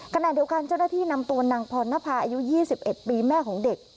ขณะเดียวกันเจ้าหน้าที่นำตัวนางพรณภาอายุ๒๑ปีแม่ของเด็ก